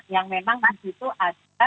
yang memang di situ ada